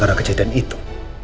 kalau kejadian itu